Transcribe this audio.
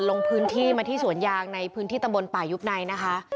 ลงพื้นที่มาที่สวนยางในพื้นที่ตำบลป่ายุบในนะคะ